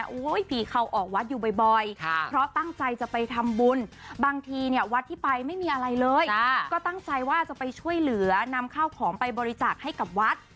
โอ้โหผีเข้าออกวัดอยู่บ่อยเพราะตั้งใจจะไปทำบุญบางทีเนี่ยวัดที่ไปไม่มีอะไรเลยก็ตั้งใจว่าจะไปช่วยเหลือนำข้าวของไปบริจาคให้กับวัด